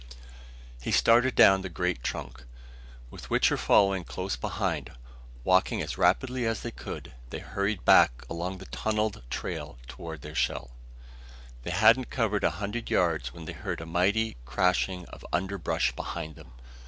He started down the great trunk, with Wichter following close behind. Walking as rapidly as they could, they hurried back along the tunneled trail toward their shell. They hadn't covered a hundred yards when they heard a mighty crashing of underbrush behind them.